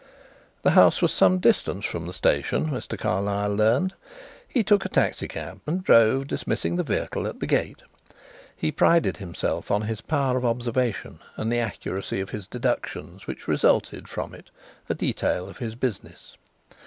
The house was some distance from the station, Mr. Carlyle learned. He took a taxicab and drove, dismissing the vehicle at the gate. He prided himself on his power of observation and the accuracy of his deductions which resulted from it a detail of his business.